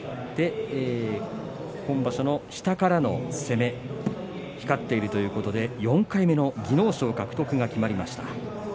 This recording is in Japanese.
今場所の下からの攻め光っているということで４回目の技能賞獲得が決まりました。